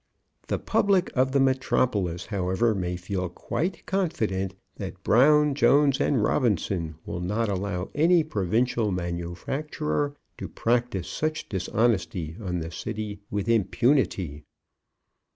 The public of the metropolis, however, may feel quite confident that Brown, Jones, and Robinson will not allow any provincial manufacturer to practise such dishonesty on the City with impunity.